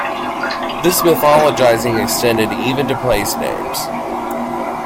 This mythologizing extended even to place names.